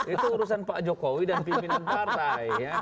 itu urusan pak jokowi dan pimpinan partai